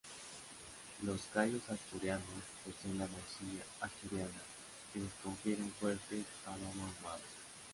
Los callos asturianos poseen la morcilla asturiana que les confiere un fuerte aroma ahumado.